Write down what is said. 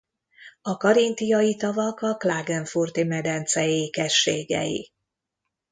A karintiai tavak a Klagenfurti-medence ékességei.